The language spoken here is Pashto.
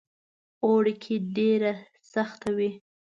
اوړي کې ډېره سخته وي.